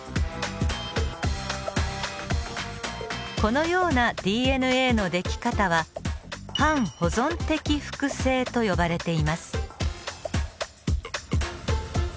このようなＤＮＡの出来方は半保存的複製と呼ばれています。